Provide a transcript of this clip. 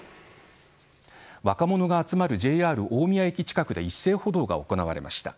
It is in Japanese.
若者が集まるＪＲ大宮駅近くで一斉補導が行われました。